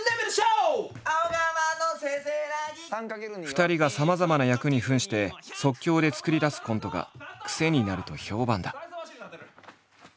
二人がさまざまな役に扮して即興で作り出すコントがクセになると評判だ。